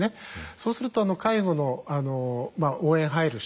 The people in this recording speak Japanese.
そうすると介護の応援入る人